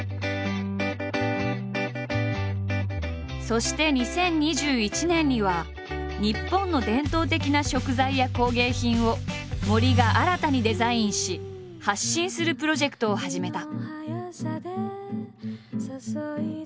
そして２０２１年には日本の伝統的な食材や工芸品を森が新たにデザインし発信するプロジェクトを始めた。